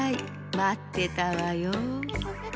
まってたわよ。